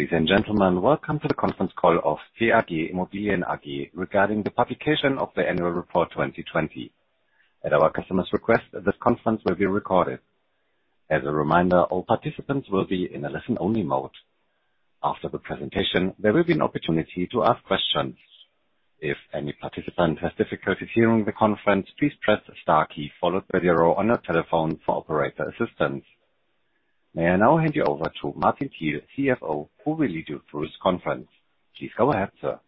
Ladies and gentlemen, welcome to the Conference Call of TAG Immobilien AG Regarding the Publication of the Annual Report 2020. May I now hand you over to Martin Thiel, CFO, who will lead you through this conference. Please go ahead, sir.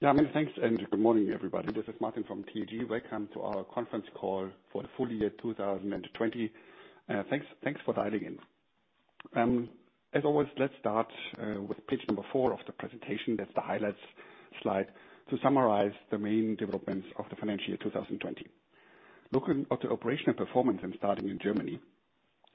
Yeah, many thanks, good morning, everybody. This is Martin from TAG. Welcome to our conference call for the full year 2020. Thanks for dialing in. As always, let's start with page number four of the presentation. That's the highlights slide to summarize the main developments of the financial year 2020. Looking at the operational performance and starting in Germany,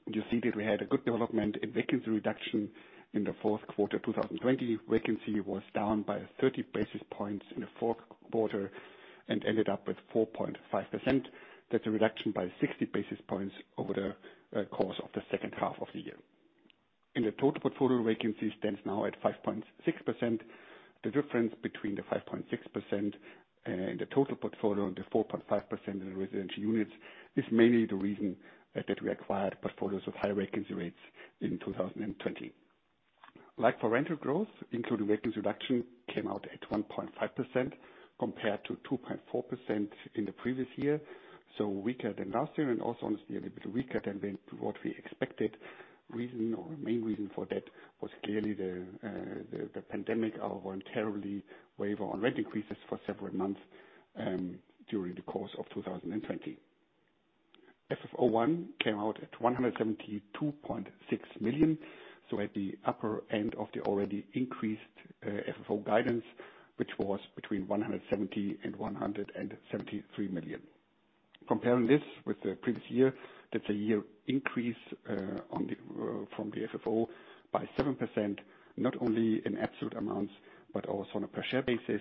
you see that we had a good development in vacancy reduction in the fourth quarter 2020. Vacancy was down by 30 basis points in the fourth quarter and ended up with 4.5%. That's a reduction by 60 basis points over the course of the second half of the year. In the total portfolio, vacancy stands now at 5.6%. The difference between the 5.6% in the total portfolio and the 4.5% in residential units is mainly the reason that we acquired portfolios of high vacancy rates in 2020. Like-for-rent growth, including vacancy reduction, came out at 1.5% compared to 2.4% in the previous year, weaker than last year and also honestly a little bit weaker than what we expected. Reason or main reason for that was clearly the pandemic, our voluntary waiver on rent increases for several months, during the course of 2020. FFO 1 came out at 172.6 million, at the upper end of the already increased FFO guidance, which was between 170 million and 173 million. Comparing this with the previous year, that's a year increase from the FFO by 7%, not only in absolute amounts but also on a per share basis.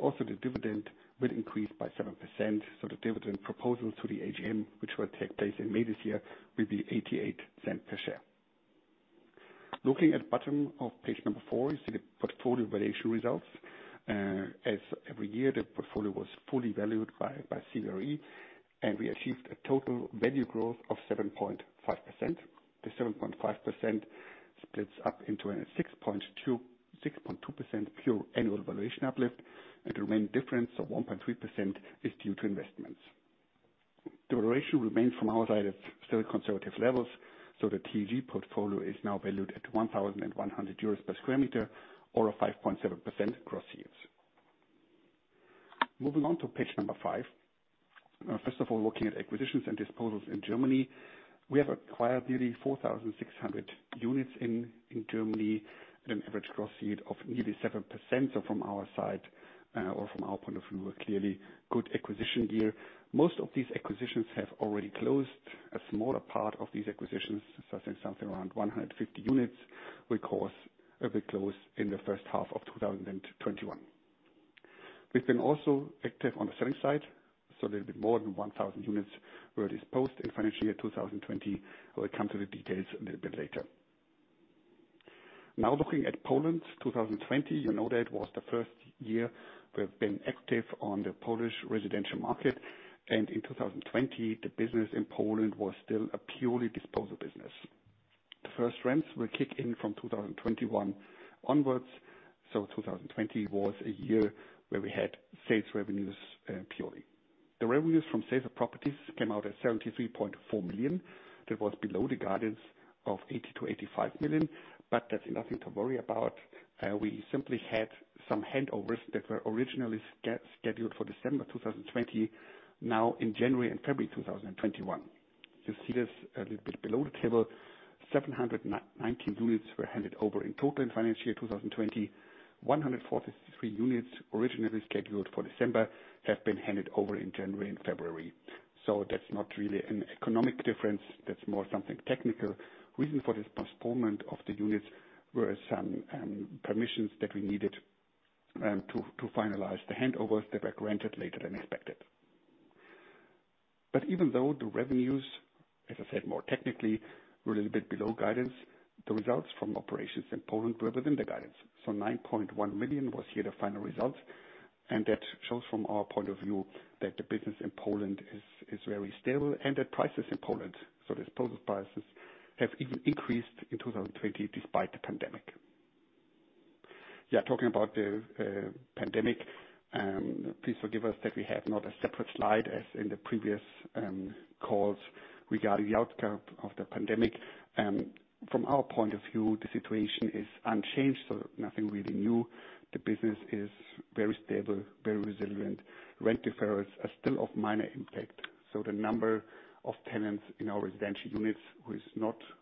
Also the dividend will increase by 7%, the dividend proposal to the AGM, which will take place in May this year, will be 0.88 per share. Looking at bottom of page number four, you see the portfolio valuation results. As every year, the portfolio was fully valued by CBRE, we achieved a total value growth of 7.5%. The 7.5% splits up into a 6.2% pure annual valuation uplift, the remaining difference of 1.3% is due to investments. The valuation remains from our side at still conservative levels, the TAG portfolio is now valued at 1,100 euros per sq m or a 5.7% gross yields. Moving on to page number five. First of all, looking at acquisitions and disposals in Germany, we have acquired nearly 4,600 units in Germany at an average gross yield of nearly 7%. From our side or from our point of view, a clearly good acquisition year. Most of these acquisitions have already closed. A smaller part of these acquisitions, so I think something around 150 units, will close in the first half of 2021. We've been also active on the selling side, a little bit more than 1,000 units were disposed in financial year 2020. We'll come to the details a little bit later. Looking at Poland 2020, you know that was the first year we've been active on the Polish residential market. In 2020, the business in Poland was still a purely disposal business. The first rents will kick in from 2021 onwards, so 2020 was a year where we had sales revenues purely. The revenues from sales of properties came out at 73.4 million. That was below the guidance of 80 million to 85 million, but that's nothing to worry about. We simply had some handovers that were originally scheduled for December 2020, now in January and February 2021. You see this a little bit below the table. 719 units were handed over in total in financial year 2020. 143 units originally scheduled for December have been handed over in January and February. That's not really an economic difference. That's more something technical. Reason for this postponement of the units were some permissions that we needed to finalize the handovers that were granted later than expected. Even though the revenues, as I said, more technically, were a little bit below guidance, the results from operations in Poland were within the guidance. 9.1 million was here the final result, and that shows from our point of view that the business in Poland is very stable and that prices in Poland, so disposal prices, have even increased in 2020 despite the pandemic. Yeah, talking about the pandemic, please forgive us that we have not a separate slide as in the previous calls regarding the outcome of the pandemic. From our point of view, the situation is unchanged, so nothing really new. The business is very stable, very resilient. Rent deferrals are still of minor impact. The number of tenants in our residential units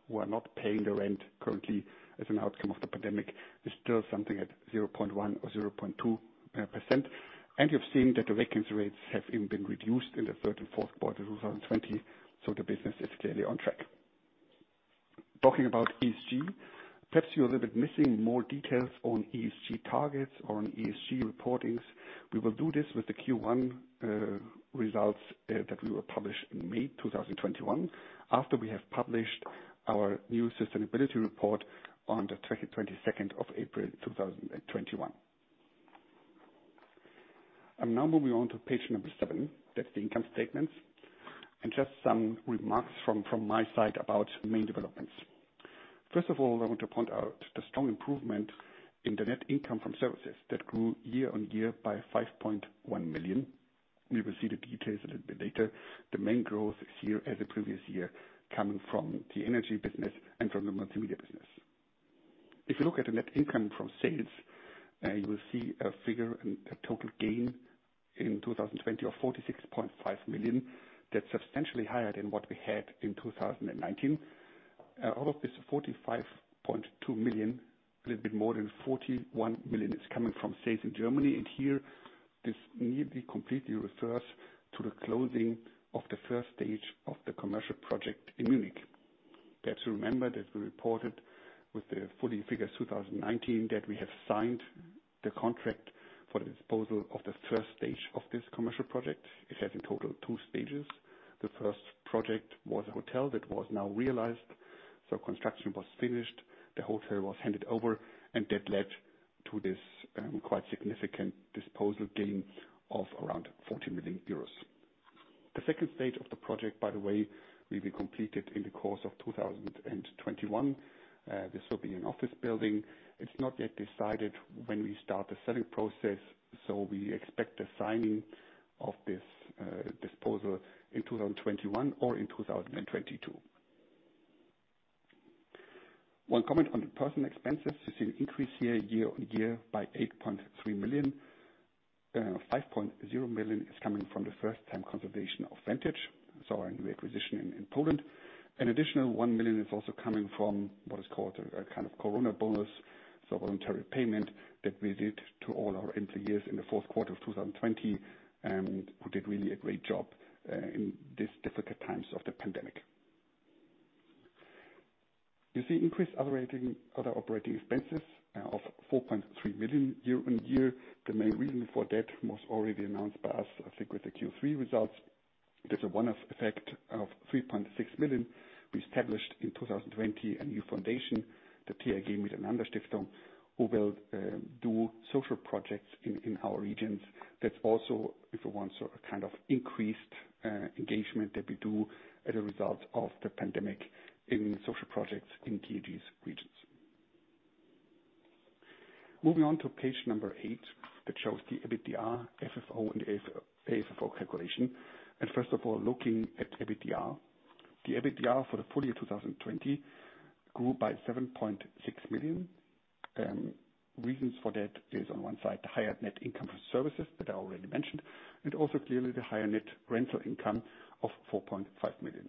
who are not paying the rent currently as an outcome of the pandemic is still something at 0.1% or 0.2%. You've seen that the vacancy rates have even been reduced in the third and fourth quarter 2020. The business is clearly on track. Talking about ESG, perhaps you're a little bit missing more details on ESG targets or on ESG reportings. We will do this with the Q1 results that we will publish in May 2021, after we have published our new sustainability report on the 22nd of April 2021. I'm now moving on to page number seven. That's the income statements. Just some remarks from my side about the main developments. First of all, I want to point out the strong improvement in the net income from services that grew year-over-year by 5.1 million. We will see the details a little bit later. The main growth is here as the previous year, coming from the energy business and from the multimedia business. If you look at the net income from sales, you will see a figure and a total gain in 2020 of 46.5 million. That's substantially higher than what we had in 2019. Out of this 45.2 million, a little bit more than 41 million is coming from sales in Germany. Here, this nearly completely refers to the closing of the stage 1 of the commercial project in Munich. You have to remember that we reported with the full year figures 2019 that we have signed the contract for the disposal of the first stage of this commercial project. It had in total two stages. The first project was a hotel that was now realized. Construction was finished, the hotel was handed over, and that led to this quite significant disposal gain of around 40 million euros. The second stage of the project, by the way, will be completed in the course of 2021. This will be an office building. It's not yet decided when we start the selling process. We expect the signing of this disposal in 2021 or in 2022. One comment on the personal expenses. You see an increase here year-over-year by 8.3 million. 5.0 million is coming from the first-time consolidation of Vantage, so our new acquisition in Poland. An additional 1 million is also coming from what is called a kind of corona bonus. Voluntary payment that we did to all our employees in the fourth quarter of 2020, who did really a great job in these difficult times of the pandemic. You see increased other operating expenses of 4.3 million year-over-year. The main reason for that was already announced by us, I think with the Q3 results. There's a one-off effect of 3.6 million. We established in 2020 a new foundation, the TAG Miteinander Stiftung, who will do social projects in our regions. That's also, if you want, a kind of increased engagement that we do as a result of the pandemic in social projects in TAG's regions. Moving on to page number eight that shows the EBITDA, FFO and AFFO calculation. First of all, looking at EBITDA. The EBITDA for the full year 2020 grew by 7.6 million. Reasons for that is on one side, the higher net income for services that I already mentioned, and also clearly the higher net rental income of 4.5 million.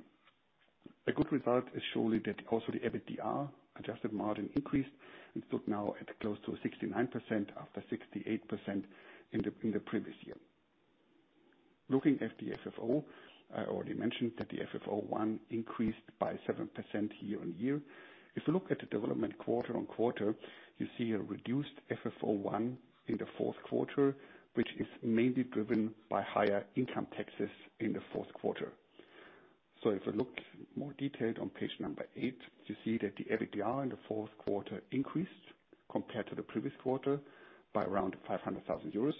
A good result is surely that also the EBITDA adjusted margin increased and stood now at close to 69% after 68% in the previous year. Looking at the FFO, I already mentioned that the FFO 1 increased by 7% year-on-year. If you look at the development quarter-on-quarter, you see a reduced FFO 1 in the fourth quarter, which is mainly driven by higher income taxes in the fourth quarter. If you look more detailed on page number eight, you see that the EBITDA in the fourth quarter increased compared to the previous quarter by around 500,000 euros.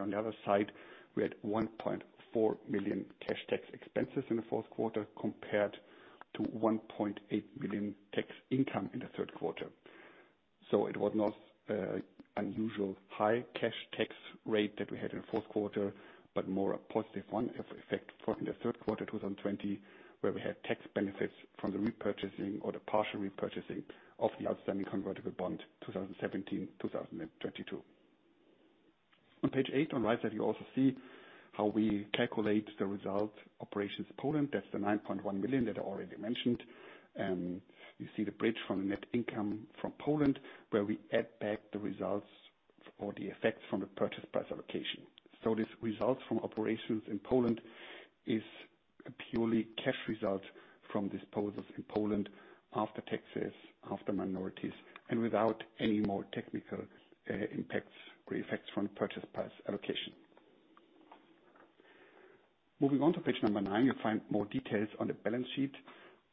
On the other side, we had 1.4 million cash tax expenses in the fourth quarter, compared to 1.8 million tax income in the third quarter. It was not unusual high cash tax rate that we had in the fourth quarter, but more a positive one effect for the third quarter 2020, where we had tax benefits from the repurchasing or the partial repurchasing of the outstanding convertible bond 2017-2022. On page eight, on the right side, you also see how we calculate the result operations Poland. That's the 9.1 million that I already mentioned. You see the bridge from the net income from Poland, where we add back the results or the effects from the purchase price allocation. This result from operations in Poland is a purely cash result from disposals in Poland after taxes, after minorities, and without any more technical impacts or effects from purchase price allocation. Moving on to page number nine, you'll find more details on the balance sheet.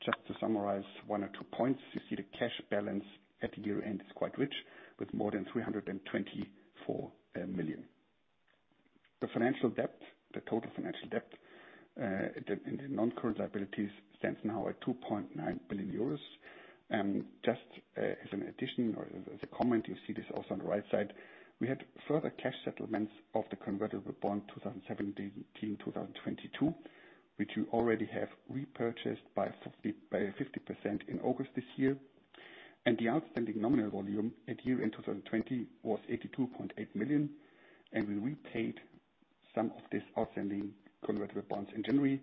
Just to summarize one or two points. You see the cash balance at the year-end is quite rich with more than 324 million. The financial debt, the total financial debt in the non-current liabilities, stands now at 2.9 billion euros. Just as an addition or as a comment, you see this also on the right side. We had further cash settlements of the convertible bond 2017-2022, which we already have repurchased by 50% in August this year. The outstanding nominal volume at year-end 2020 was 82.8 million, and we repaid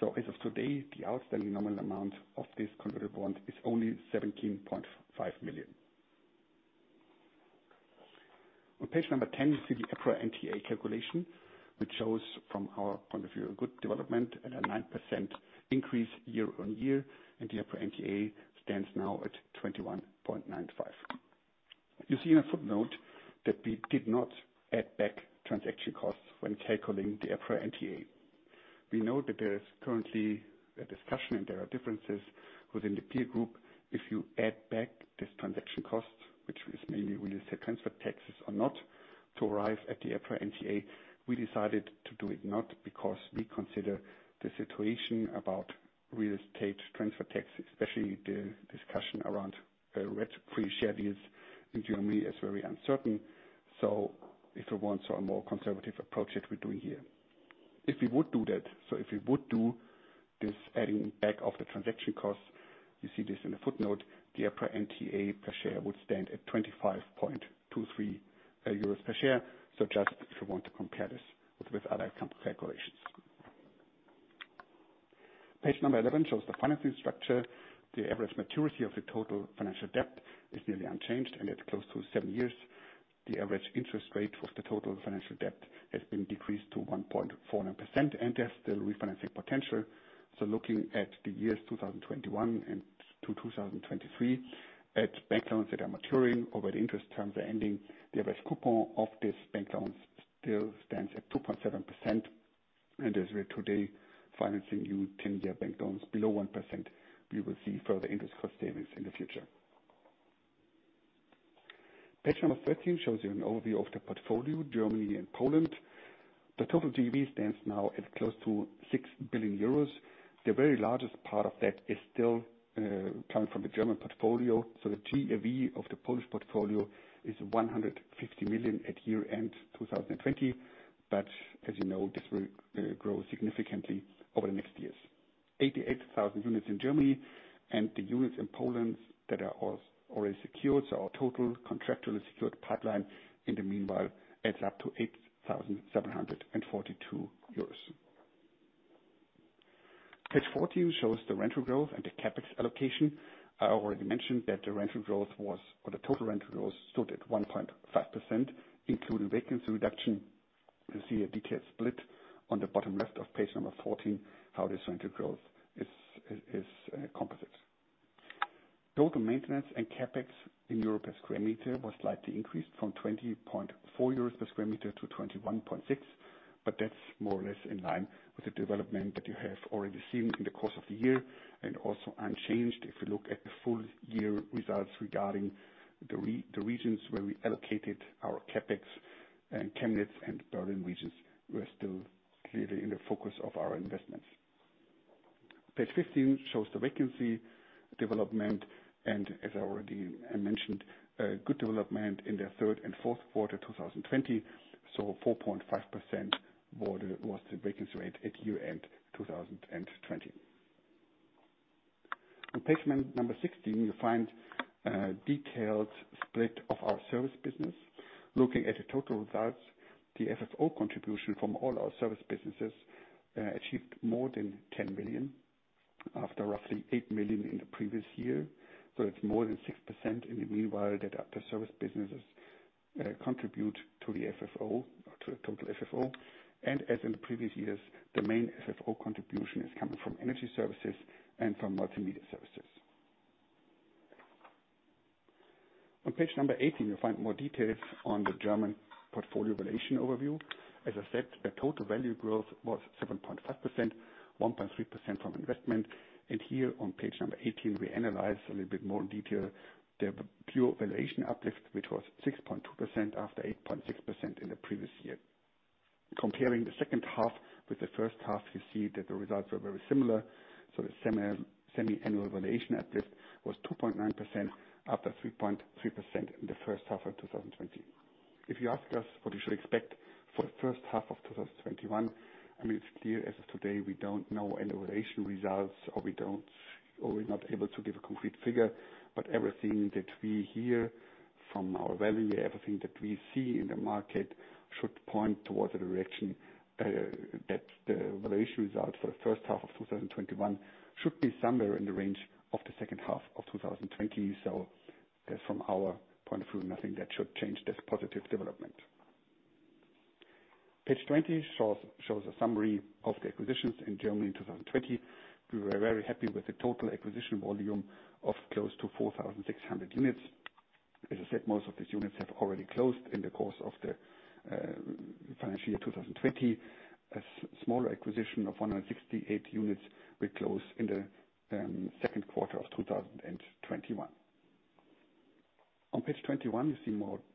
some of this outstanding convertible bonds in January. As of today, the outstanding nominal amount of this convertible bond is only EUR 17.5 million. On page number 10, you see the EPRA NTA calculation, which shows from our point of view, a good development at a 9% increase year-on-year. The EPRA NTA stands now at 21.95. You see in a footnote that we did not add back transaction costs when calculating the EPRA NTA. We know that there is currently a discussion and there are differences within the peer group. If you add back this transaction cost, which is mainly when you say transfer taxes or not, to arrive at the EPRA NTA, we decided to do it not because we consider the situation about retro pre-share deals in Germany is very uncertain. If we want a more conservative approach that we're doing here. If we would do that, if we would do this adding back of the transaction costs, you see this in the footnote, the EPRA NTA per share would stand at 25.23 euros per share. Just if you want to compare this with other calculations. Page number 11 shows the financing structure. The average maturity of the total financial debt is nearly unchanged and at close to seven years. The average interest rate of the total financial debt has been decreased to 1.4%. There's still refinancing potential. Looking at the years 2021-2023, at bank loans that are maturing over the interest terms are ending. The average coupon of this bank loans still stands at 2.7%. As we are today financing new 10-year bank loans below 1%, we will see further interest cost savings in the future. Page number 13 shows you an overview of the portfolio, Germany and Poland. The total GAV stands now at close to 6 billion euros. The very largest part of that is still coming from the German portfolio. The GAV of the Polish portfolio is 150 million at year-end 2020. As you know, this will grow significantly over the next years. 88,000 units in Germany and the units in Poland that are already secured. Our total contractually secured pipeline in the meanwhile adds up to 8,742 euros. Page 14 shows the rental growth and the CapEx allocation. I already mentioned that the total rental growth stood at 1.5%, including vacancy reduction. You see a detailed split on the bottom left of page number 14, how this rental growth is composite. Total maintenance and CapEx in EUR per sq m was slightly increased from 20.4 euros per sq m to 21.6. That's more or less in line with the development that you have already seen in the course of the year and also unchanged if you look at the full year results regarding the regions where we allocated our CapEx and Chemnitz and Berlin regions. We are still clearly in the focus of our investments. Page 15 shows the vacancy development. As I already mentioned, good development in the third and fourth quarter 2020. 4.5% was the vacancy rate at year-end 2020. On page number 16, you find a detailed split of our service business. Looking at the total results, the FFO contribution from all our service businesses achieved more than 10 million after roughly 8 million in the previous year. It's more than 6% in the meanwhile that the service businesses contribute to the FFO or to the total FFO. As in previous years, the main FFO contribution is coming from energy services and from multimedia services. On page number 18, you'll find more details on the German portfolio valuation overview. As I said, the total value growth was 7.5%, 1.3% from investment. Here on page number 18, we analyze a little bit more in detail the pure valuation uplift, which was 6.2% after 8.6% in the previous year. Comparing the second half with the first half, you see that the results were very similar. The semi-annual valuation uplift was 2.9% after 3.3% in the first half of 2020. If you ask us what you should expect for the first half of 2021, it's clear as of today, we don't know any valuation results, or we're not able to give a complete figure. Everything that we hear from our valuer, everything that we see in the market should point towards the direction, that the valuation result for the first half of 2021 should be somewhere in the range of the second half of 2020. That's from our point of view, nothing that should change this positive development. Page 20 shows a summary of the acquisitions in Germany in 2020. We were very happy with the total acquisition volume of close to 4,600 units. As I said, most of these units have already closed in the course of the financial year 2020. A smaller acquisition of 168 units will close in the second quarter of 2021. On page 21, you see more details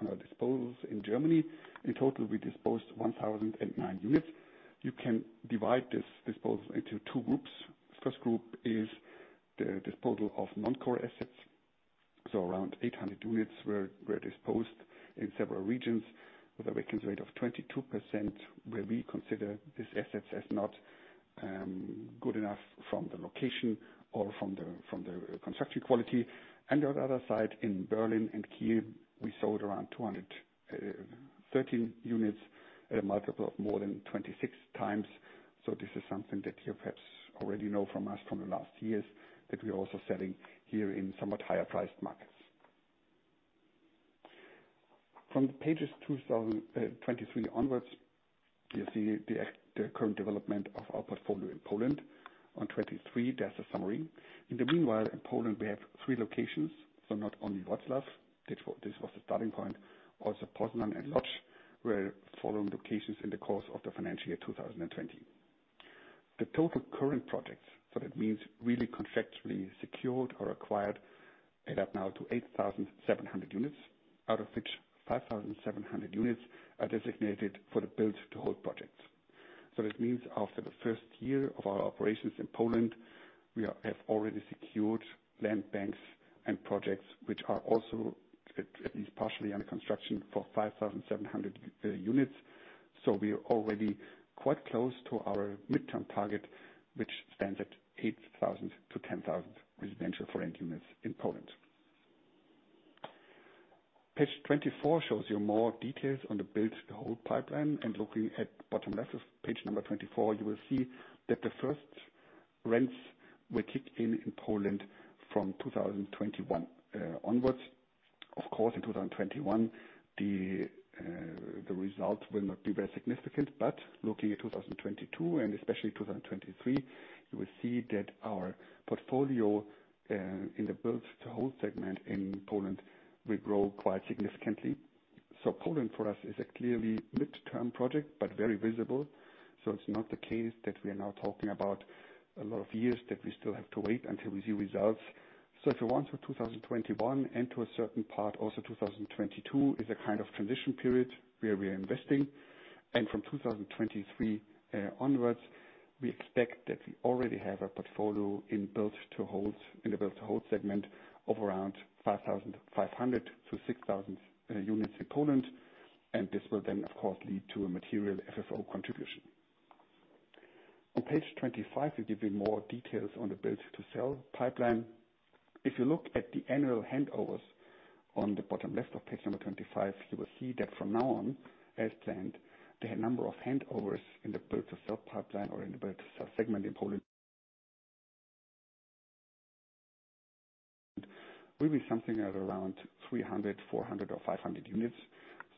on our disposals in Germany. In total, we disposed 1,009 units. You can divide this disposal into two groups. First group is the disposal of non-core assets. Around 800 units were disposed in several regions with a vacancy rate of 22%, where we consider these assets as not good enough from the location or from the construction quality. On the other side, in Berlin and Kiel, we sold around 213 units at a multiple of more than 26 times. This is something that you perhaps already know from us from the last years, that we are also selling here in somewhat higher-priced markets. From pages 23 onwards, you see the current development portfolio in Poland on 23. There is a summary. In the meanwhile, in Poland, we have three locations. Not only Wrocław, this was the starting point. Also Poznań and Łódź were following locations in the course of the financial year 2020. The total current projects, so that means really contractually secured or acquired, add up now to 8,700 units. Out of which, 5,700 units are designated for the build-to-hold projects. That means after the first year of our operations in Poland, we have already secured land banks and projects, which are also at least partially under construction for 5,700 units. We are already quite close to our midterm target, which stands at 8,000 to 10,000 residential for rent units in Poland. Page 24 shows you more details on the build-to-hold pipeline, and looking at bottom left of page number 24, you will see that the first rents will kick in in Poland from 2021 onwards. Of course, in 2021, the result will not be very significant, but looking at 2022 and especially 2023, you will see that our portfolio, in the build-to-hold segment in Poland will grow quite significantly. Poland for us is a clearly midterm project, but very visible. It's not the case that we are now talking about a lot of years that we still have to wait until we see results. If you want, through 2021 and to a certain part also 2022 is a kind of transition period where we are investing. From 2023 onwards, we expect that we already have a portfolio in the build-to-hold segment of around 5,500 to 6,000 units in Poland, and this will then of course, lead to a material FFO contribution. On page 25, we give you more details on the build-to-sell pipeline. If you look at the annual handovers on the bottom left of page number 25, you will see that from now on, as planned, the number of handovers in the build-to-sell pipeline or in the build-to-sell segment in Poland will be something at around 300, 400 or 500 units.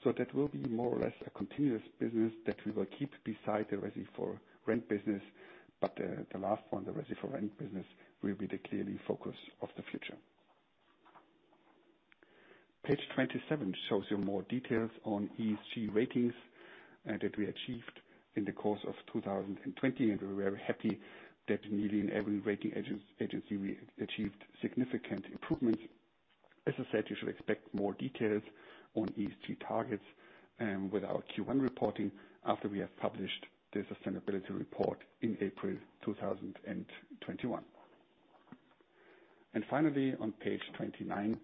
That will be more or less a continuous business that we will keep beside the resi for rent business. The last one, the resi for rent business, will be the clear focus of the future. Page 27 shows you more details on ESG ratings that we achieved in the course of 2020, and we're very happy that nearly in every rating agency, we achieved significant improvements. As I said, you should expect more details on ESG targets, with our Q1 reporting after we have published the sustainability report in April 2021. Finally, on page 29,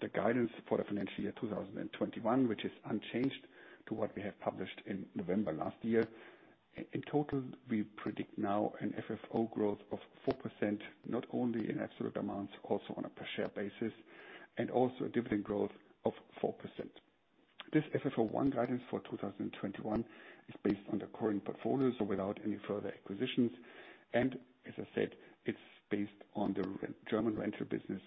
the guidance for the financial year 2021, which is unchanged to what we have published in November last year. In total, we predict now an FFO growth of 4%, not only in absolute amounts, also on a per share basis, and also a dividend growth of 4%. This FFO 1 guidance for 2021 is based on the current portfolio, without any further acquisitions, and as I said, it is based on the German rental business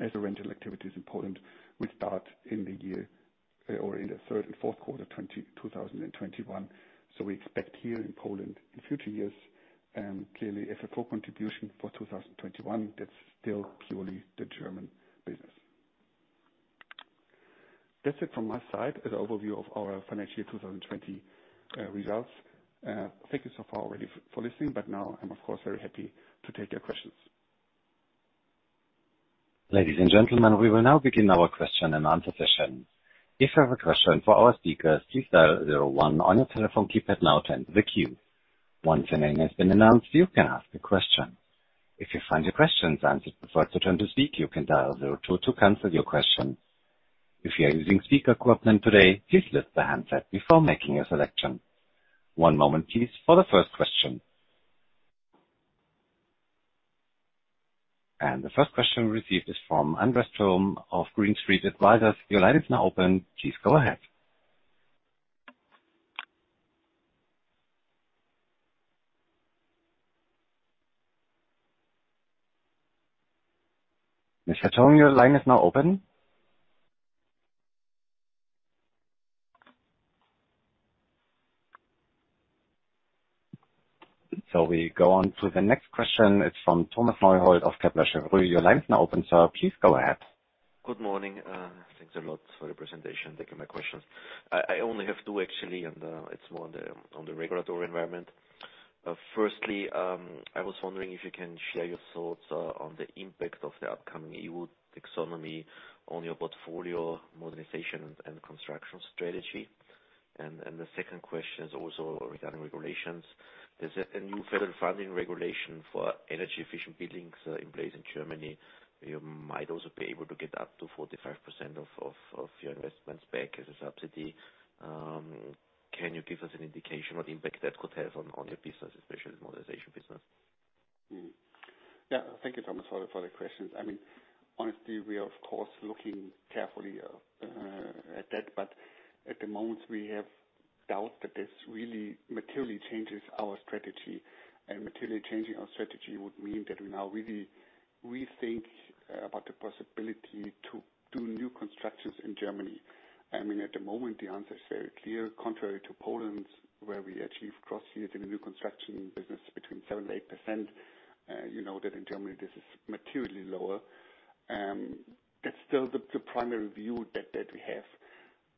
as the rental activities in Poland will start in the year or in the third and fourth quarter 2021. We expect here in Poland in future years, clearly FFO contribution for 2021, that is still purely the German business. That is it from my side as overview of our financial year 2020 results. Thank you so far already for listening, but now I am of course, very happy to take your questions. The first question received is from Andres Toome of Green Street Advisors. Your line is now open. Please go ahead. Mr. Toome, your line is now open. We go on to the next question. It's from Thomas Neuhold of Kepler Cheuvreux. Your line is now open, sir. Please go ahead. Good morning. Thanks a lot for the presentation. Thank you. My questions. I only have two actually, and it's more on the regulatory environment. Firstly, I was wondering if you can share your thoughts on the impact of the upcoming EU taxonomy on your portfolio modernization and construction strategy. The second question is also regarding regulations. There's a new federal funding regulation for energy efficient buildings in place in Germany. You might also be able to get up to 45% of your investments back as a subsidy. Can you give us an indication what impact that could have on your business, especially the modernization business? Thank you, Thomas, for the questions. Honestly, we are of course looking carefully at that. At the moment, we have doubt that this really materially changes our strategy. Materially changing our strategy would mean that we now really rethink about the possibility to do new constructions in Germany. I mean, at the moment, the answer is very clear. Contrary to Poland, where we achieve gross yield in the new construction business between 7%-8%, you know that in Germany this is materially lower. That's still the primary view that we have.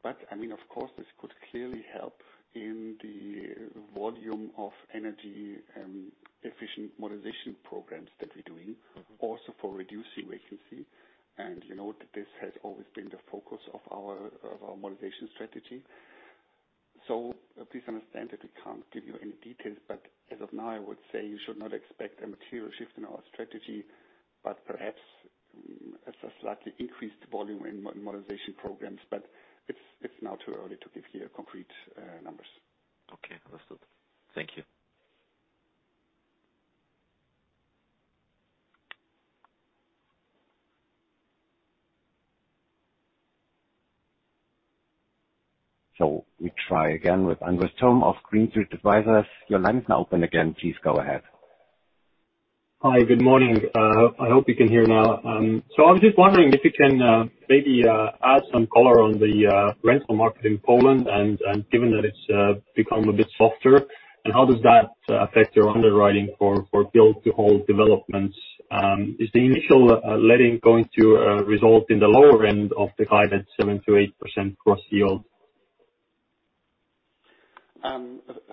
Of course, this could clearly help in the volume of energy and efficient modernization programs that we're doing, also for reducing vacancy. You know that this has always been the focus of our modernization strategy. Please understand that we can't give you any details. As of now, I would say you should not expect a material shift in our strategy, but perhaps as a slightly increased volume in modernization programs. It's now too early to give clear, concrete numbers. Okay. Understood. Thank you. We try again with Andres Toome of Green Street Advisors. Your line is now open again. Please go ahead. Hi. Good morning. I hope you can hear now. I was just wondering if you can maybe add some color on the rental market in Poland and, given that it's become a bit softer, how does that affect your underwriting for build-to-hold developments? Is the initial letting going to result in the lower end of the guided 7%-8% gross yield?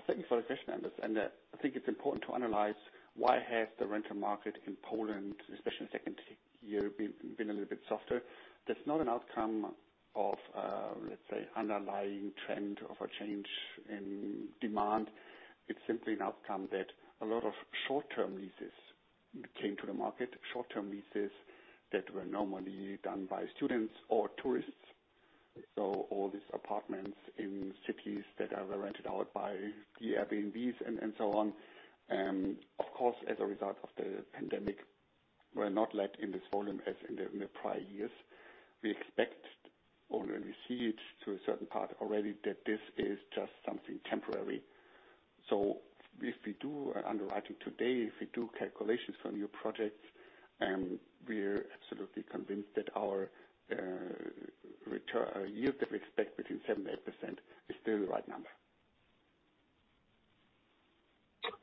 Thank you for the question, Andres. I think it's important to analyze why has the rental market in Poland, especially in the second year, been a little bit softer. That's not an outcome of, let's say, underlying trend of a change in demand. It's simply an outcome that a lot of short-term leases came to the market. Short-term leases that were normally done by students or tourists. All these apartments in cities that are rented out by the Airbnbs and so on. Of course, as a result of the pandemic, were not let in this volume as in the prior years. We expect, or we see it to a certain part already, that this is just something temporary. If we do underwriting today, if we do calculations for new projects, we're absolutely convinced that our yield that we expect between 7% and 8% is still the right number.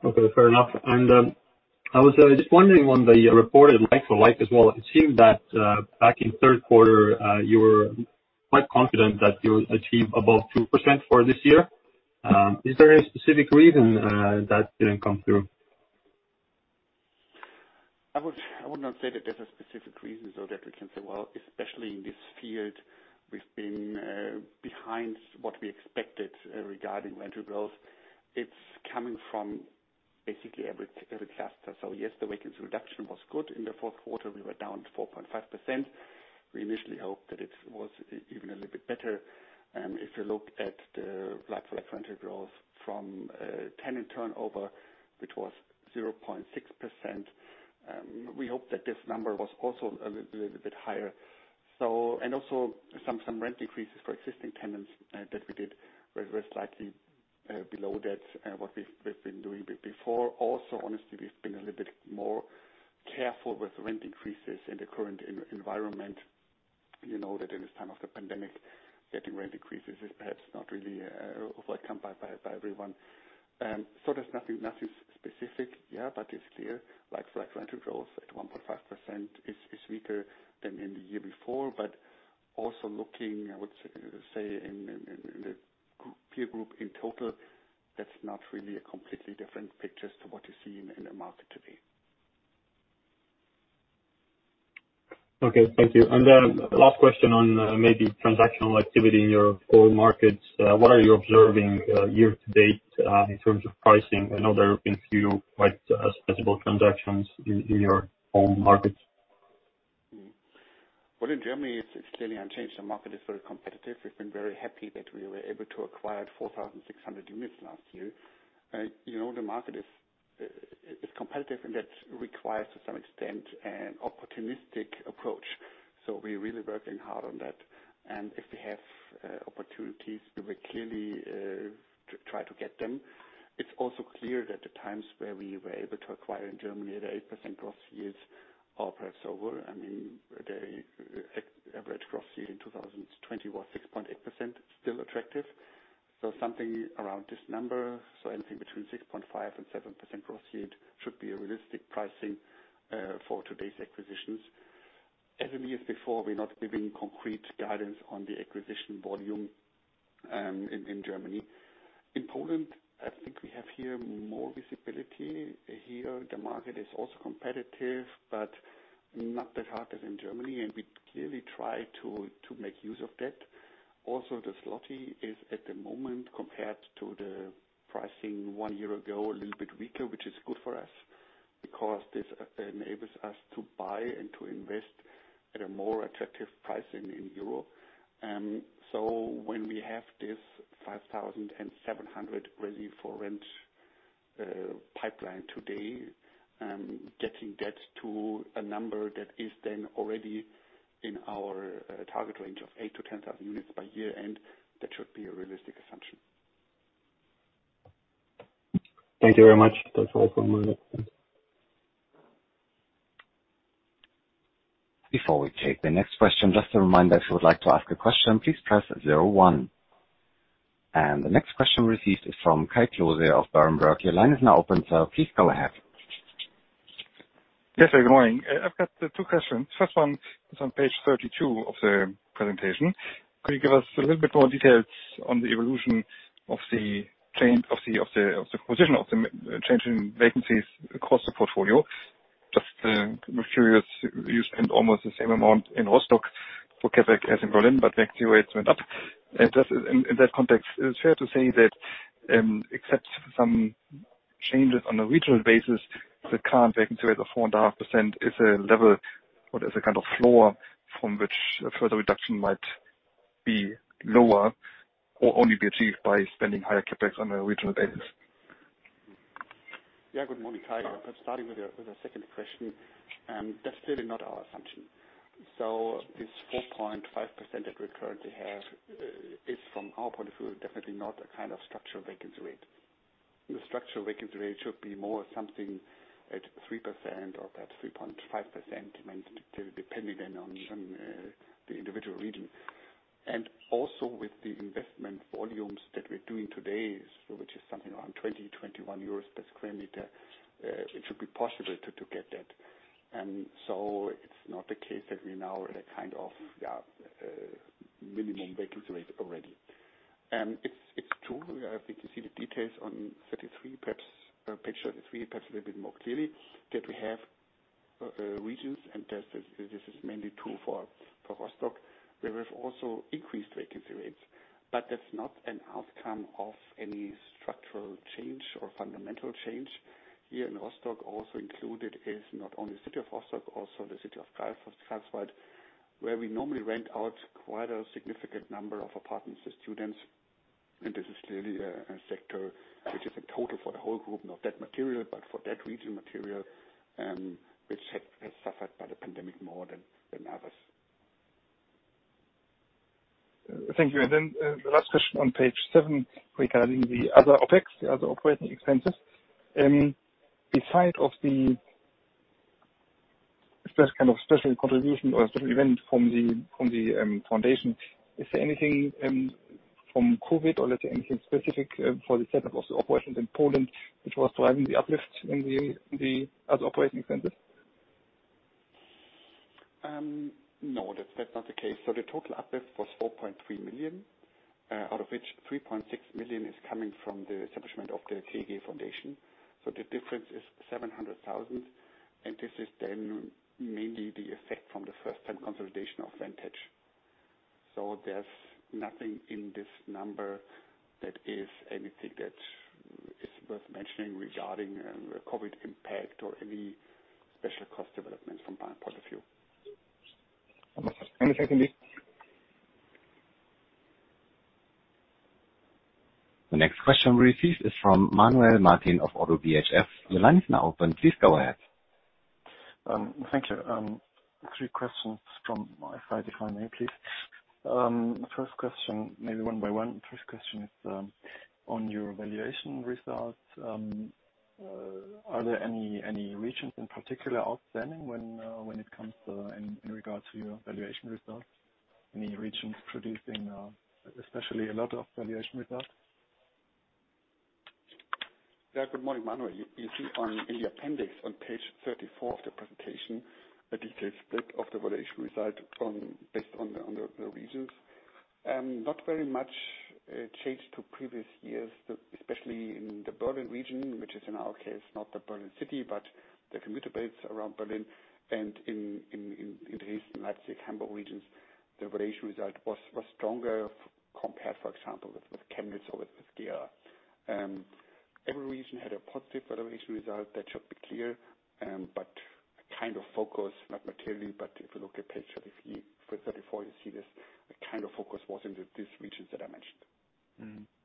Okay, fair enough. I was just wondering on the reported like-for-like as well. It seemed that back in the third quarter, you were quite confident that you'll achieve above 2% for this year. Is there any specific reason that didn't come through? I would not say that there's a specific reason, so that we can say, well, especially in this field, we've been behind what we expected regarding rental growth. It's coming from basically every cluster. Yes, the vacancy reduction was good. In the fourth quarter, we were down to 4.5%. We initially hoped that it was even a little bit better. If you look at the like-for-like rental growth from tenant turnover, which was 0.6%, we hope that this number was also a little bit higher. Also some rent increases for existing tenants that we did were slightly below that, what we've been doing before. Also, honestly, we've been a little bit more careful with rent increases in the current environment. You know that in this time of the pandemic, getting rent increases is perhaps not really welcomed by everyone. There's nothing specific. Yeah. It's clear, like-for-like rental growth at 1.5% is weaker than in the year before. Also looking, I would say, in the peer group in total, that's not really a completely different picture to what you see in the market today. Okay, thank you. Last question on maybe transactional activity in your core markets. What are you observing year to date in terms of pricing? I know there have been few quite sizable transactions in your home markets. In Germany it's clearly unchanged. The market is very competitive. We've been very happy that we were able to acquire 4,600 units last year. The market is competitive, and that requires, to some extent, an opportunistic approach. We're really working hard on that. If we have opportunities, we will clearly try to get them. It's also clear that the times where we were able to acquire in Germany at an 8% gross yield are perhaps over. I mean, the average gross yield in 2020 was 6.8%, still attractive. Something around this number. Anything between 6.5% and 7% gross yield should be a realistic pricing for today's acquisitions. As in years before, we're not giving concrete guidance on the acquisition volume in Germany. In Poland, I think we have here more visibility. The market is also competitive, but not as hard as in Germany, and we clearly try to make use of that. The zloty is, at the moment, compared to the pricing one year ago, a little bit weaker, which is good for us because this enables us to buy and to invest at a more attractive pricing in EUR. When we have this 5,700 ready for rent pipeline today, getting that to a number that is then already in our target range of 8,000-10,000 units by year-end, that should be a realistic assumption. Thank you very much. That's all from my end. Before we take the next question, just a reminder, if you would like to ask a question, please press zero one. The next question received is from Kai Klose of Berenberg. Your line is now open, sir. Please go ahead. Yes, good morning. I've got two questions. First one is on page 32 of the presentation. Could you give us a little bit more details on the evolution of the position of the change in vacancies across the portfolio? Just curious, you spend almost the same amount in Rostock for CapEx as in Berlin, but vacancy rates went up. In that context, is it fair to say that, except for some changes on a regional basis, the current vacancy rate of 4.5% is a level what is a kind of floor from which a further reduction might be lower or only be achieved by spending higher CapEx on a regional basis? Yeah, good morning, Kai. Starting with your second question, that's clearly not our assumption. This 4.5% that we currently have is from our point of view, definitely not a kind of structural vacancy rate. The structural vacancy rate should be more something at 3% or perhaps 3.5% depending on the individual region. With the investment volumes that we're doing today, which is something around 20, 21 euros per square meter, it should be possible to get that. It's not the case that we're now at a kind of minimum vacancy rate already. It's true. I think you see the details on 33, perhaps picture 33 perhaps a little bit more clearly that we have regions, and this is mainly true for Rostock, where we've also increased vacancy rates. That's not an outcome of any structural change or fundamental change. Here in Rostock also included is not only City of Rostock, also the City of Greifswald, where we normally rent out quite a significant number of apartments to students. This is clearly a sector which is in total for the whole group, not that material, but for that region material, which has suffered by the pandemic more than others. Thank you. The last question on page seven regarding the other OpEx, the other operating expenses. Besides of the first kind of special contribution or special event from the foundation, is there anything from COVID or let's say anything specific for the setup of the operations in Poland, which was driving the uplift in the other operating expenses? No, that's not the case. The total uplift was 4.3 million, out of which 3.6 million is coming from the establishment of the TAG foundation. The difference is 700,000, and this is then mainly the effect from the first time consolidation of Vantage. There's nothing in this number that is anything that is worth mentioning regarding COVID impact or any special cost development from my point of view. Understood. Thank you. The next question received is from Manuel Martin of ODDO BHF. Your line is now open. Please go ahead. Thank you. Three questions from my side, if I may, please. First question, maybe one by one. First question is on your valuation results. Are there any regions in particular outstanding when it comes in regards to your valuation results? Any regions producing especially a lot of valuation results? Good morning, Manuel. You see in the appendix on page 34 of the presentation, a detailed split of the valuation result based on the regions. Not very much change to previous years, especially in the Berlin region, which is, in our case, not the Berlin city, but the commuter belts around Berlin and in the eastern Leipzig, Hamburg regions, the valuation result was stronger compared, for example, with Chemnitz or with Gera. Every region had a positive valuation result, that should be clear. Kind of focus, not materially, but if you look at page 34, you see this kind of focus was in these regions that I mentioned.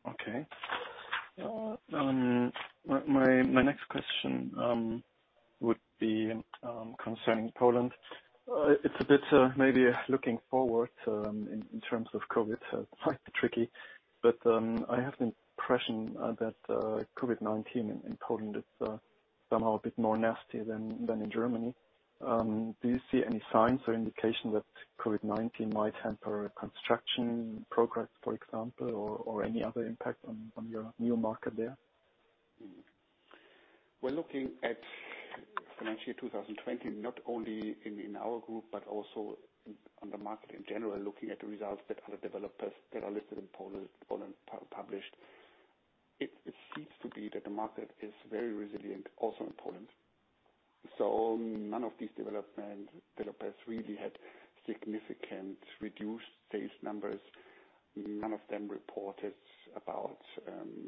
Okay. My next question would be concerning Poland. It's a bit maybe looking forward in terms of COVID, so it might be tricky, but I have the impression that COVID-19 in Poland is somehow a bit more nasty than in Germany. Do you see any signs or indication that COVID-19 might hamper construction progress, for example, or any other impact on your new market there? When looking at financial 2020, not only in our group but also on the market in general, looking at the results that other developers that are listed in Poland published, it seems to be that the market is very resilient also in Poland. None of these developers really had significant reduced sales numbers. None of them reported about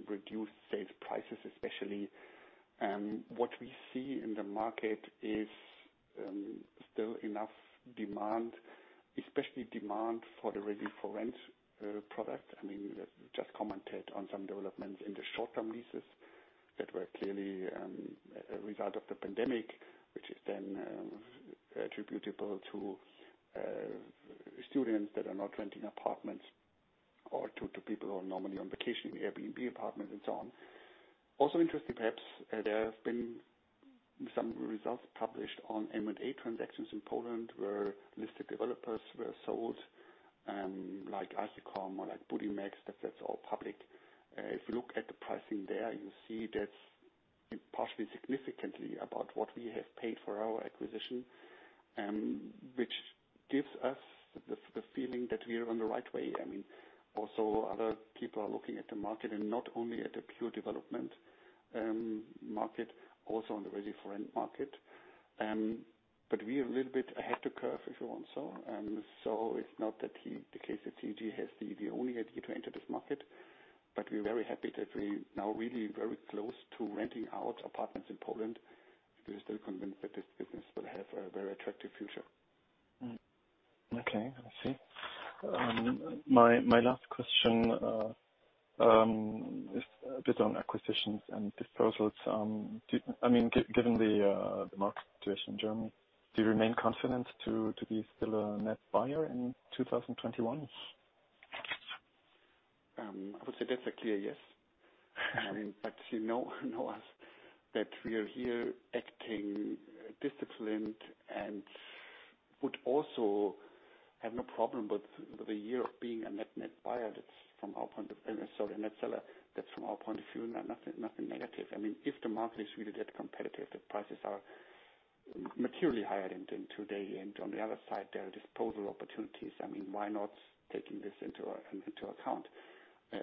reduced sales prices, especially. What we see in the market is still enough demand, especially demand for the ready-for-rent product. We just commented on some developments in the short term leases that were clearly a result of the pandemic, which is then attributable students that are not renting apartments or to people who are normally on vacation, the Airbnb apartments and so on. Also interesting perhaps, there have been some results published on M&A transactions in Poland where listed developers were sold, like Atal or like Budimex. That's all public. If you look at the pricing there, you see that's possibly significantly about what we have paid for our acquisition, which gives us the feeling that we are on the right way. Other people are looking at the market and not only at the pure development market, also on the ready-for-rent market. We are a little bit ahead of the curve, if you want. It's not that the case that CG has the only idea to enter this market, but we're very happy that we're now really very close to renting out apartments in Poland. We are still convinced that this business will have a very attractive future. Okay. I see. My last question is a bit on acquisitions and disposals. Given the market situation in Germany, do you remain confident to be still a net buyer in 2021? I would say that's a clear yes. You know us, that we are here acting disciplined and would also have no problem with the year of being a net seller. That's from our point of view, nothing negative. If the market is really that competitive, the prices are materially higher than today. On the other side, there are disposal opportunities. Why not taking this into account?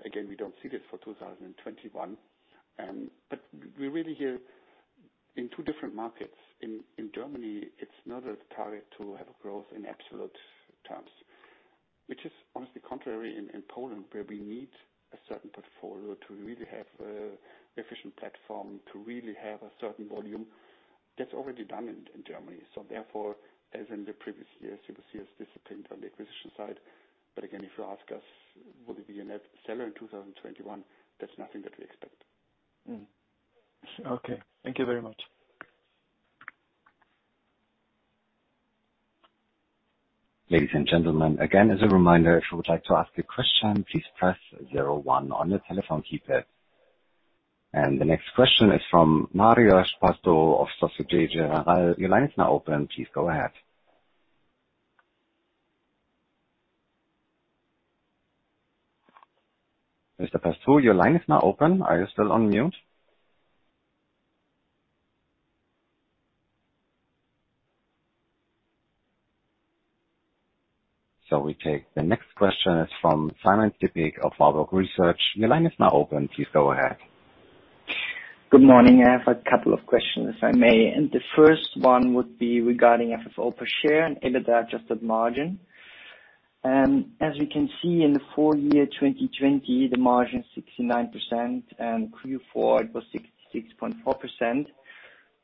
Again, we don't see that for 2021. We're really here in two different markets. In Germany, it's not a target to have a growth in absolute terms, which is honestly contrary in Poland, where we need a certain portfolio to really have a efficient platform, to really have a certain volume. That's already done in Germany. Therefore, as in the previous years, you will see us disciplined on the acquisition side. Again, if you ask us, would we be a net seller in 2021? That's nothing that we expect. Okay. Thank you very much. Ladies and gentlemen, again, as a reminder, if you would like to ask a question, please press 01 on your telephone keypad. The next question is from Marios Pastou of Societe Generale. Your line is now open. Please go ahead. Mr. Pastou, your line is now open. Are you still on mute? We take the next question is from Simon Stippig of Warburg Research. Your line is now open. Please go ahead. Good morning. I have a couple of questions, if I may. The first one would be regarding FFO per share and EBITDA-adjusted margin. As we can see in the full year 2020, the margin is 69%, and Q4 it was 66.4%.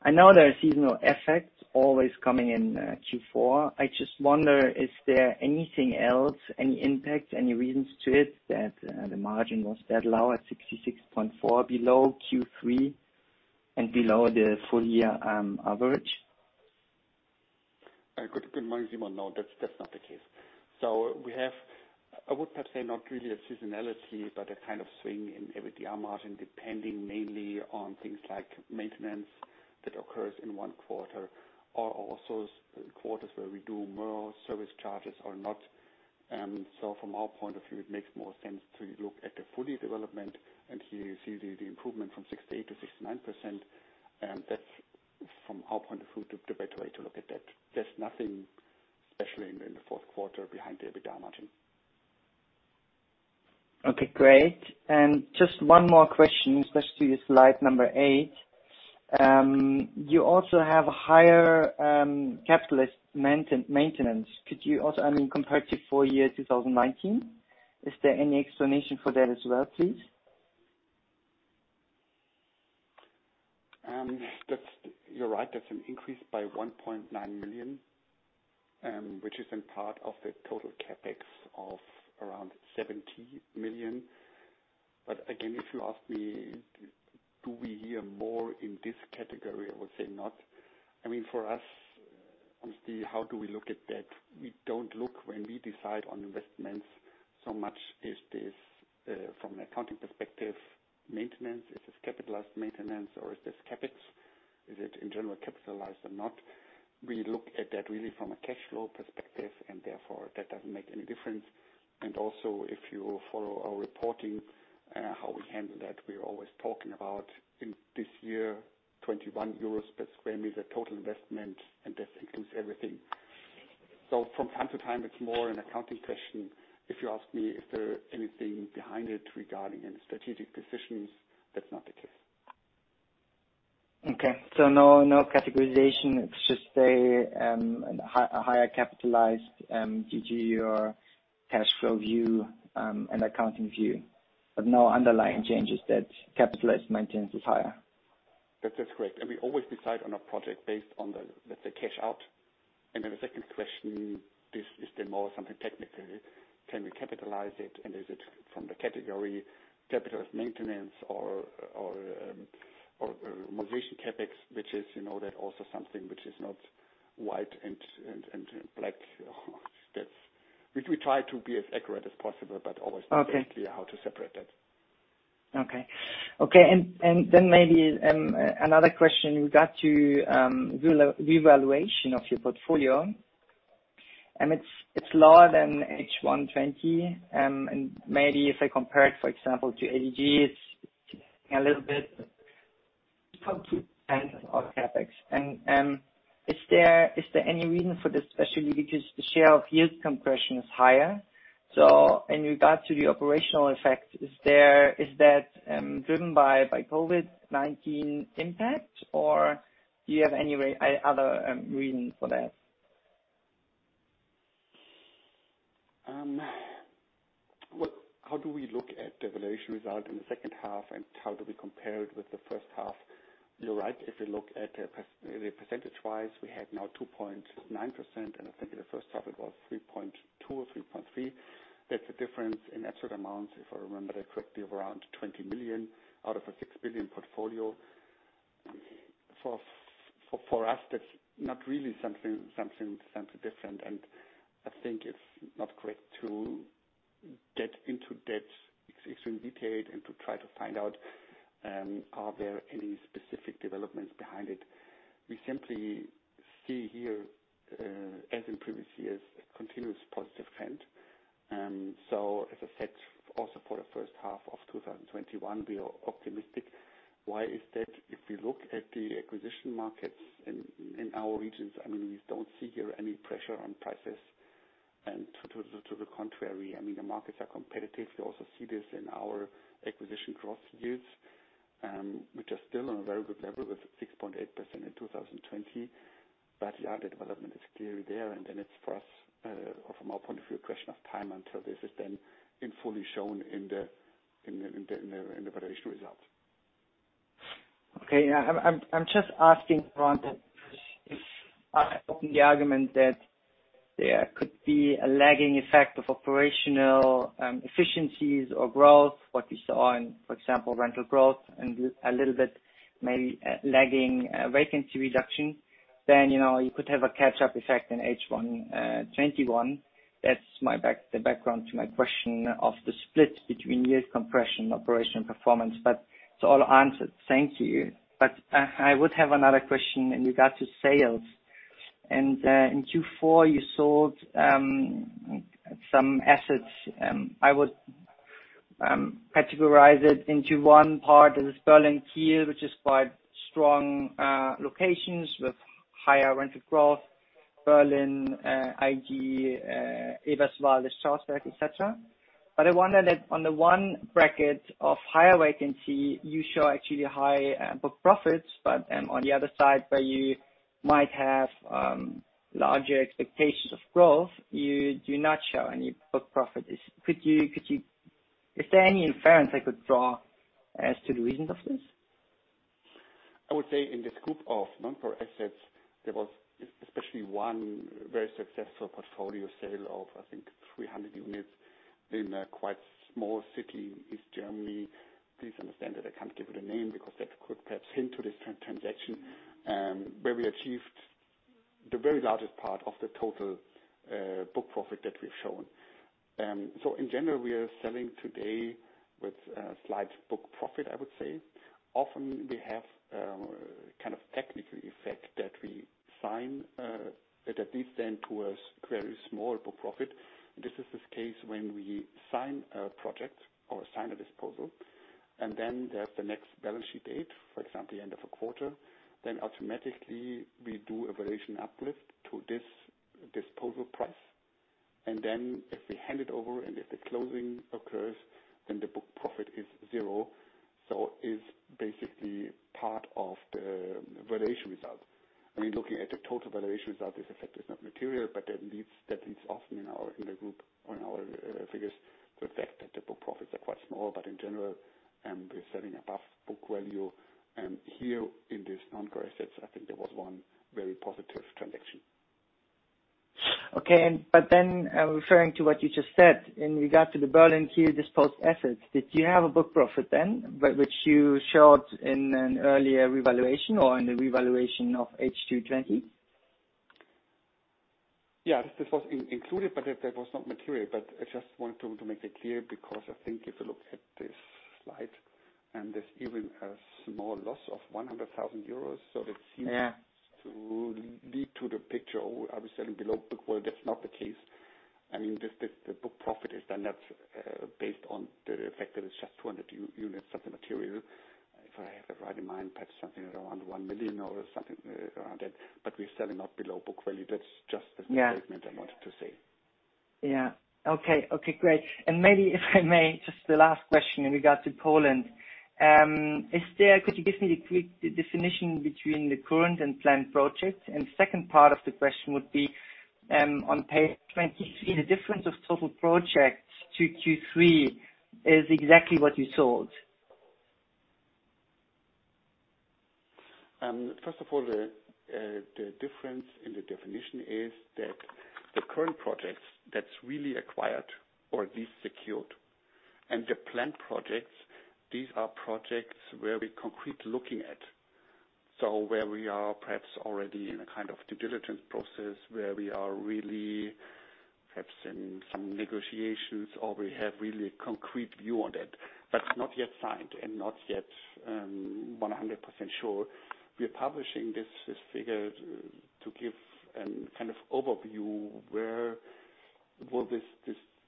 I know there are seasonal effects always coming in Q4. I just wonder, is there anything else, any impact, any reasons to it that the margin was that low at 66.4 below Q3 and below the full year average? Good morning, Simon. No, that's not the case. We have, I would perhaps say not really a seasonality, but a kind of swing in EBITDA margin, depending mainly on things like maintenance that occurs in one quarter, or also quarters where we do more service charges or not. From our point of view, it makes more sense to look at the full year development, and here you see the improvement from 68%-69%. That's from our point of view, the better way to look at that. There's nothing especially in the fourth quarter behind the EBITDA margin. Okay, great. Just one more question, especially slide number eight. You also have higher capitalized maintenance. Compared to full year 2019, is there any explanation for that as well, please? You're right. That's an increase by 1.9 million, which is in part of the total CapEx of around 70 million. Again, if you ask me, do we hear more in this category? I would say not. For us, honestly, how do we look at that? We don't look when we decide on investments so much is this, from an accounting perspective, maintenance, is this capitalized maintenance or is this CapEx? Is it in general capitalized or not? We look at that really from a cash flow perspective, therefore that doesn't make any difference. Also if you follow our reporting, how we handle that, we're always talking about in this year, 21 euros per sq m total investment, that includes everything. From time to time, it's more an accounting question. If you ask me if there anything behind it regarding any strategic decisions, that's not the case. Okay. No categorization. It's just a higher capitalized due to your cash flow view and accounting view, but no underlying changes that capitalized maintenance is higher. That's just correct. We always decide on a project based on the, let's say, cash out. Then the second question, the more something technical, can we capitalize it? Is it from the category capitalized maintenance or modernization CapEx, which is also something which is not white and black. Okay. Then maybe another question in regard to revaluation of your portfolio. It's lower than H1 2020. Maybe if I compare it, for example, to ADG, it's a little bit CapEx. Is there any reason for this, especially because the share of yield compression is higher? In regard to the operational effect, is that driven by COVID-19 impact, or do you have any other reason for that? How do we look at the valuation result in the second half, and how do we compare it with the first half? You're right. If you look at it percentage-wise, we had now 2.9%, and I think in the first half it was 3.2 or 3.3. That's a difference in absolute amount, if I remember correctly, of around 20 million out of a 6 billion portfolio. For us, that's not really something different. I think it's not correct to get into that extremely detailed and to try to find out are there any specific developments behind it. We simply see here, as in previous years, a continuous positive trend. As I said, also for the first half of 2021, we are optimistic. Why is that? If we look at the acquisition markets in our regions, we don't see here any pressure on prices. To the contrary, the markets are competitive. We also see this in our acquisition growth yields, which are still on a very good level with 6.8% in 2020. Yeah, the development is clearly there, and then it's, from our point of view, a question of time until this is then in fully shown in the valuation results. Okay. Yeah, I'm just asking, Ronald, that the argument that there could be a lagging effect of operational efficiencies or growth, what we saw in, for example, rental growth and a little bit maybe lagging vacancy reduction. You could have a catch-up effect in H1 2021. That's the background to my question of the split between yield compression and operational performance. It's all answered. Thank you. I would have another question in regard to sales. In Q4 you sold some assets. I would categorize it into one part. There's Berlin Kiel, which is quite strong locations with higher rental growth. Berlin, IG, Eberswalde, Strausberg, et cetera. I wonder that on the one bracket of higher vacancy, you show actually high book profits, but on the other side where you might have larger expectations of growth, you do not show any book profit. Is there any inference I could draw as to the reasons of this? I would say in this group of non-core assets, there was especially one very successful portfolio sale of, I think, 300 units in a quite small city in East Germany. Please understand that I can't give you the name because that could perhaps hint to this transaction, where we achieved the very largest part of the total book profit that we've shown. In general, we are selling today with a slight book profit, I would say. Often we have a kind of technical effect that we sign, that at least then to a very small book profit. This is this case when we sign a project or sign a disposal, and then there's the next balance sheet date, for example, the end of a quarter. Automatically we do a valuation uplift to this disposal price, and then if we hand it over and if the closing occurs, then the book profit is zero. It's basically part of the valuation result. Looking at the total valuation result, this effect is not material, but that leads often in the group on our figures the effect that the book profits are quite small, but in general, we're selling above book value. Here in this non-core assets, I think there was one very positive transaction. Okay. Referring to what you just said, in regard to the Berlin Kiel disposed assets, did you have a book profit then, which you showed in an earlier revaluation or in the revaluation of H2 2020? Yeah, this was included, but that was not material. I just wanted to make that clear because I think if you look at this slide and there's even a small loss of 100,000 euros, that seems to lead to the picture, oh, are we selling below book value? That's not the case. The book profit is not based on the fact that it's just 200 units of the material. If I have it right in mind, perhaps something around 1 million or something around that, we're selling not below book value. That's just the statement I wanted to say. Yeah. Okay, great. Maybe if I may, just the last question in regard to Poland. Could you give me the quick definition between the current and planned projects? Second part of the question would be, on page 23, the difference of total projects to Q3 is exactly what you sold. First of all, the difference in the definition is that the current projects that's really acquired or at least secured, and the planned projects, these are projects where we're concrete looking at. Where we are perhaps already in a kind of due diligence process, where we are really perhaps in some negotiations or we have really concrete view on that, but not yet signed and not yet 100% sure. We are publishing this figure to give a kind of overview where will this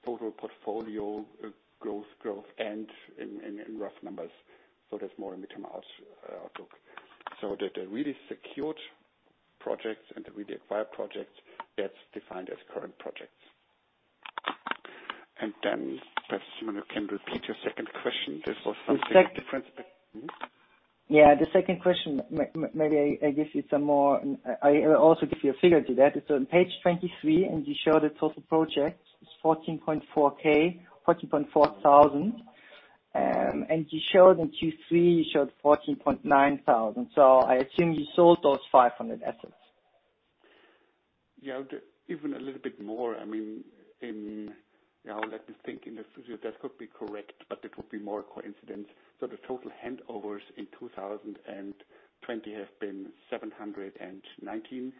total portfolio growth end in rough numbers. That's more a mid-term outlook. That the really secured projects and the really acquired projects, that's defined as current projects. Perhaps Simon, you can repeat your second question. This was something different. The second question, maybe I give you some more. I will also give you a figure to that. It's on page 23. You show the total project is 14.4K, 14.4 thousand. You show in Q3, you showed 14.9 thousand. I assume you sold those 500 assets. Yeah. Even a little bit more. Let me think. That could be correct, but it could be more a coincidence. The total handovers in 2020 have been 719.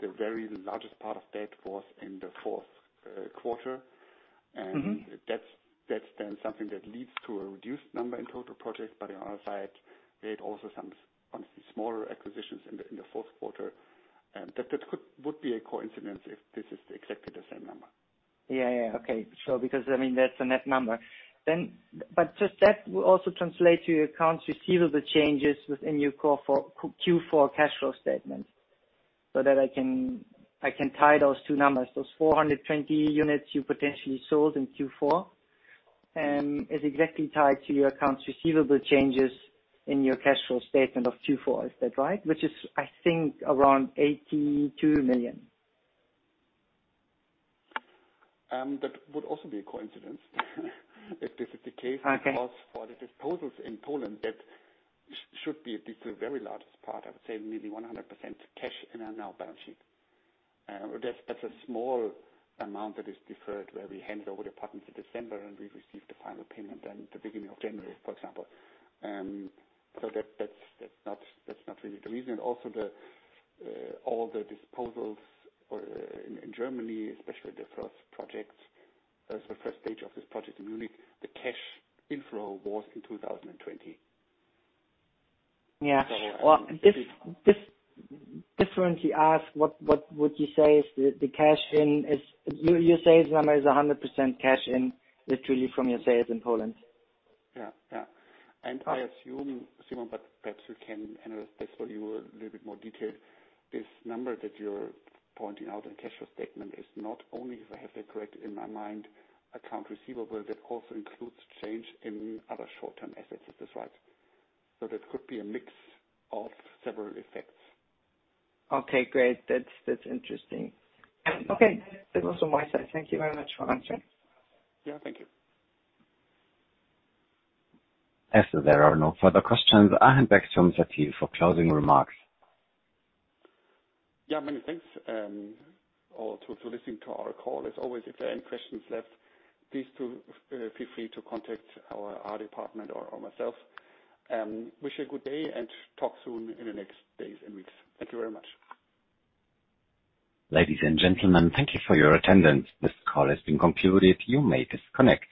The very largest part of that was in the fourth quarter. That's then something that leads to a reduced number in total projects. On our side, we had also some smaller acquisitions in the fourth quarter. That would be a coincidence if this is exactly the same number. Yeah. Okay. Sure. That's a net number. Just that will also translate to your accounts receivable, the changes within your Q4 cash flow statement. That I can tie those two numbers, those 420 units you potentially sold in Q4, is exactly tied to your accounts receivable changes in your cash flow statement of Q4. Is that right? It is, I think, around 82 million. That would also be a coincidence if this is the case. Okay. For the disposals in Poland, that should be the very largest part, I would say nearly 100% cash in our now balance sheet. That's a small amount that is deferred where we handed over the properties in December and we received the final payment in the beginning of January, for example. That's not really the reason. All the disposals in Germany, especially the 1st stage of this project in Munich, the cash inflow was in 2020. Yeah. Well, differently asked, what would you say is the cash in? You say the number is 100% cash in literally from your sales in Poland. Yeah. I assume, Simon, but perhaps you can analyze this for you a little bit more detailed. This number that you're pointing out in cash flow statement is not only, if I have that correct in my mind, account receivable, that also includes change in other short-term assets. Is this right? That could be a mix of several effects. Great. That's interesting. That was all my side. Thank you very much for answering. Yeah, thank you. As there are no further questions, I hand back to Mr. Thiel for closing remarks. Yeah, many thanks to listening to our call. As always, if there are any questions left, please feel free to contact our department or myself. Wish you a good day and talk soon in the next days and weeks. Thank you very much. Ladies and gentlemen, thank you for your attendance. This call has been concluded. You may disconnect.